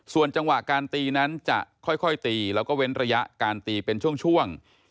ส่วนจังหวะการตีนั้นจะค่อยตีแล้วก็เว้นระยะการตีเป็นช่วง